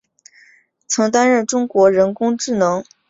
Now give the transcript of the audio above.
曾担任中国人工智能学会机器博弈专业委员会顾问。